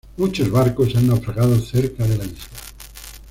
Muchos barcos han naufragado cerca de la isla.